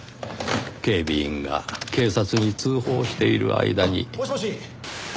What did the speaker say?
警備員が警察に通報している間に。